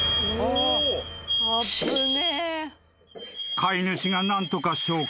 ［飼い主が何とか消火。